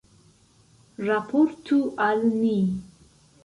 Raportu al ni.